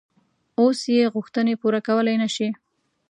اوس یې غوښتنې پوره کولای نه شي.